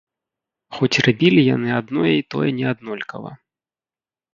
Хоць рабілі яны адно і тое неаднолькава.